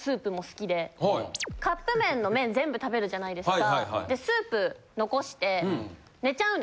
カップ麺の麺全部食べるじゃないですか。